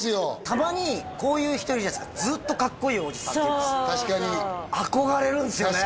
たまにこういう人いるじゃないですかずっとかっこいいおじさんっていうか憧れるんすよね